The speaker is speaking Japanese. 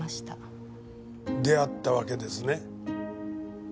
出会ったわけですね？